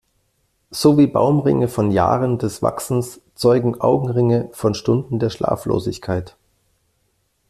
So wie Baumringe von Jahren des Wachsens zeugen Augenringe von Stunden der Schlaflosigkeit.